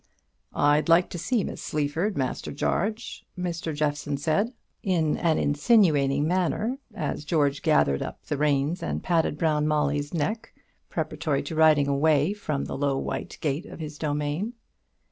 "I'd like to see Miss Sleaford, Master Jarge," Mr. Jeffson said, in an insinuating manner, as George gathered up the reins and patted Brown Molly's neck, preparatory to riding away from the low white gate of his domain.